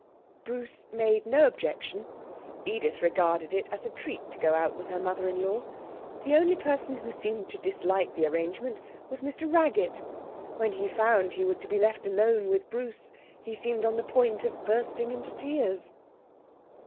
Bruce made no objection. Edith regarded it as a treat to go out with her mother in law. The only person who seemed to dislike the arrangement was Mr Raggett. When he found he was to be left alone with Bruce, he seemed on the point of bursting into tears.